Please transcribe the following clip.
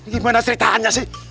gimana ceritanya sih